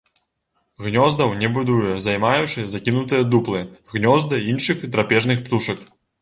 Гнёздаў не будуе, займаючы закінутыя дуплы, гнёзды іншых драпежных птушак.